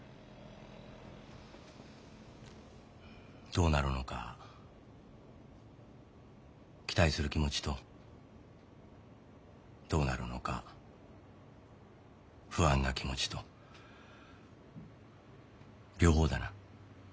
どうなるのか期待する気持ちとどうなるのか不安な気持ちと両方だな。